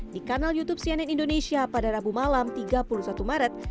di kanal youtube cnn indonesia pada rabu malam tiga puluh satu maret